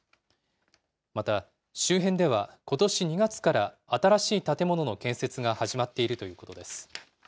また、周辺ではことし２月から、新しい建物の建設が始まっているということです。